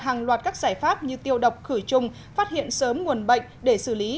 hàng loạt các giải pháp như tiêu độc khử trùng phát hiện sớm nguồn bệnh để xử lý